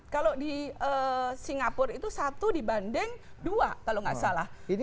kalau di singapura itu satu dibanding dua kalau nggak salah